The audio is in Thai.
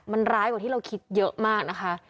มันร้ายกว่าที่เราคิดเยอะมากนะคะ